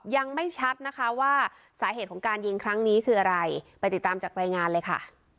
ยังไม่ชัดนะคะว่าสาเหตุของการยิงครั้งนี้คืออะไรไปติดตามจากรายงานเลยค่ะ